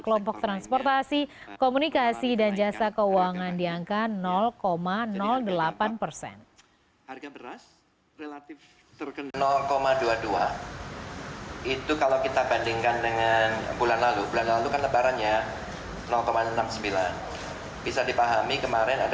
kelompok transportasi komunikasi dan jasa keuangan di angka delapan persen